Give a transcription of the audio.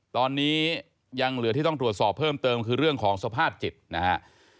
ตอนนี้ยังเหลือที่ต้องตรวจสอบเพิ่มเติมคือเรื่องของสภาพจิตนะฮะ